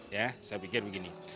ya saya pikir begini